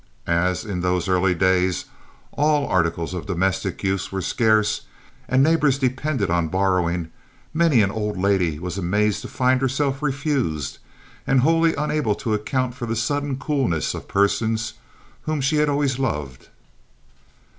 As, in those early days, all articles of domestic use were scarce, and neighbors depended on borrowing, many an old lady was amazed to find herself refused, and was wholly unable to account for the sudden coolness of persons, whom she had always loved.